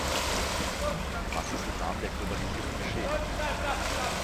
Was ist im Namen der Globalisierung geschehen?